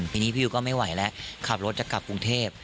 ปีนี้พี่ยูก็ไม่ไหวแล้วขับรถจะกลับกรุงเทพ